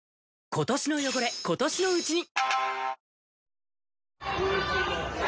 今年の汚れ、今年のうちに。